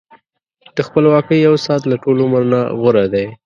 د خپلواکۍ یو ساعت له ټول عمر نه غوره دی.